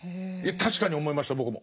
確かに思いました僕も。